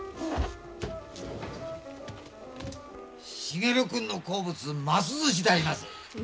茂くんの好物ますずしであります。